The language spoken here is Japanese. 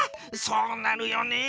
そうなるよね。